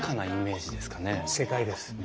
正解です！